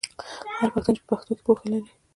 هر پښتون چې په پښتو کې پوهه لري.